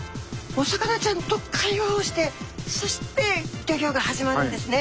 お魚ちゃんと会話をしてそして漁業が始まるんですね。